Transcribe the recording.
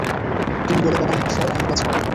তুমি গেলে দাদামহাশয়, আমি বাঁচিব না।